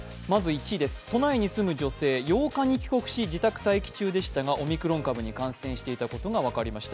都内に住む女性、８日に帰国し、自宅待機中でしたがオミクロン株に感染していたことが分かりました。